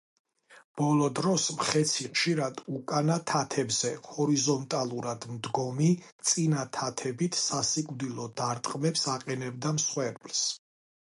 ბოლო დროს მხეცი ხშირად უკანა თათებზე ჰორიზონტალურად მდგომი, წინა თათებით სასიკვდილო დარტყმებს აყენებდა მსხვერპლს.